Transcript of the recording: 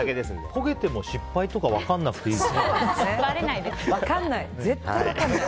焦げても失敗とか分からなくていいですね。